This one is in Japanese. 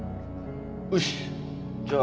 よしじゃあ